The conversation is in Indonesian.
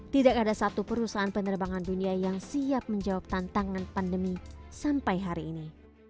tidak ada satu perusahaan penerbangan dunia yang siap menjawab tantangan pandemi sampai hari ini